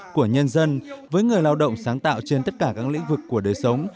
của nhân dân với người lao động sáng tạo trên tất cả các lĩnh vực của đời sống